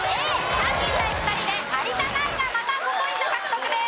３人対２人で有田ナインがまた５ポイント獲得です。